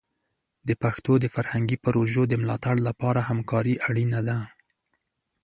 د پښتو د فرهنګي پروژو د ملاتړ لپاره همکاري اړینه ده.